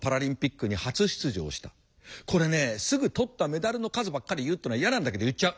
これねすぐ取ったメダルの数ばっかり言うっていうのは嫌なんだけど言っちゃう。